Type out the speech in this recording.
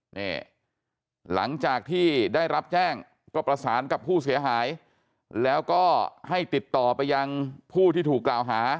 นี่หลังจากที่ได้รับแจ้งก็ประสานกับผู้เสียหายแล้วก็ให้ติดต่อไปยังผู้ที่ถูกกล่าวหา